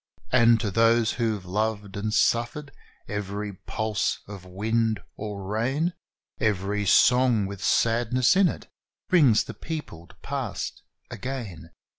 And to those who've loved and suffered, every pulse of wind or rain Every song with sadness in it, brings the peopled Past again.